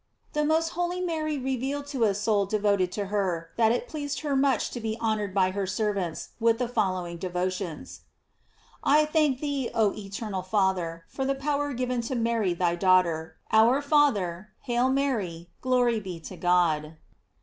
The most holy Mary revealed to a soul devoted to her, that it pleased her much to be honored by her servants with the following devotions. I thank thee, oil tternal Father, for the pow er given to Mary thy daughter Our Father, Hail Mary, Glory be to God.